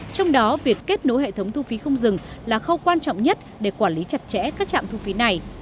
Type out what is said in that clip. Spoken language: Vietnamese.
trong đó việc kết nối hệ thống thu phí không dừng là khâu quan trọng nhất để quản lý chặt chẽ các trạm thu phí này